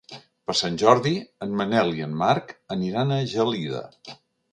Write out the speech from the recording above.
Per Sant Jordi en Manel i en Marc aniran a Gelida.